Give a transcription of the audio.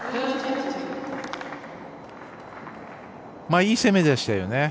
いい攻めでしたよね。